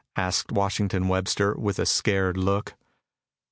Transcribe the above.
asked Washington Webster, with a scared look.